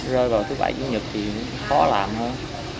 rồi thứ bảy chủ nhật thì khó làm thôi